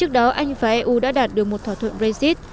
trước đó anh và eu đã đạt được một thỏa thuận brexit